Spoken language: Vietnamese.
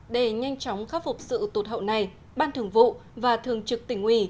để nhanh chóng khắc phục sự tụt hậu này ban thường vụ và thường trực tỉnh ủy